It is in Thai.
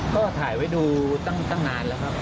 ก็ถ่ายไว้ดูตั้งนานแล้วครับ